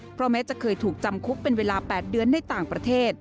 เพราะแม้จะเคยถูกจำคุกเป็นเวลา๘เดือนในต่างประเทศ